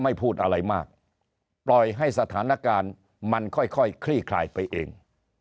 พูดอะไรมากปล่อยให้สถานการณ์มันค่อยคลี่คลายไปเอง